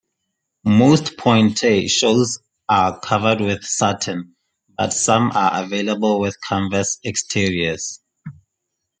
Most pointe shoes are covered with satin, but some are available with canvas exteriors.